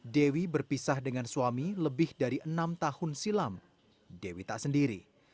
dewi berpisah dengan suami lebih dari enam tahun silam dewi tak sendiri